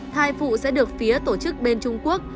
hai phụ sẽ được phía tổ chức bên trung quốc